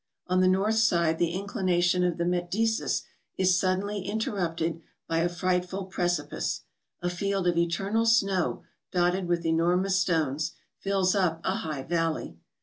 On the north side the inclination of the Metdesis is suddenly interrupted by a frightful pre¬ cipice ; a field of eternal snow dotted with enormous stones, fills up a high valley.